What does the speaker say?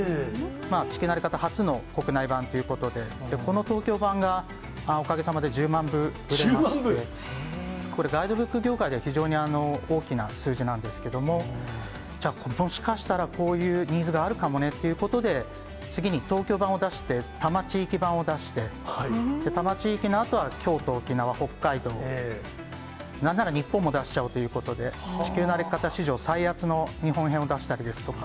地球の歩き方初の国内版ということで、この東京版がおかげさまで１０万部売れまして、これ、ガイドブック業界では、非常に大きな数字なんですけれども、じゃあ、もしかしたらこういうニーズがあるかもねっていうことで、次に東京版を出して、多摩地域版を出して、多摩地域のあとは京都、沖縄、北海道、なんなら日本も出しちゃおうということで、地球の歩き方史上、さいあつの日本編を出したりですとか。